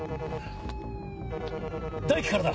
大樹からだ！